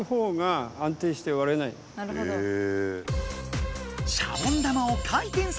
なるほど。へ。